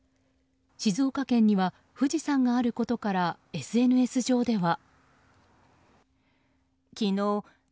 静岡県には富士山があることからＳＮＳ上では。